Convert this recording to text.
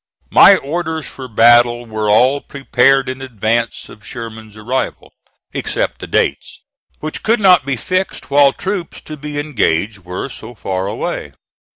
My orders for battle were all prepared in advance of Sherman's arrival (*15), except the dates, which could not be fixed while troops to be engaged were so far away.